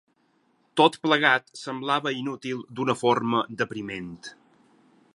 Tot plegat semblava inútil d'una forma depriment.